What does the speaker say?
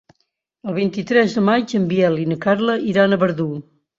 El vint-i-tres de maig en Biel i na Carla iran a Verdú.